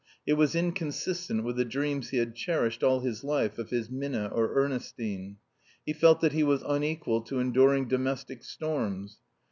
It was inconsistent with the dreams he had cherished all his life of his Minna or Ernestine. He felt that he was unequal to enduring domestic storms.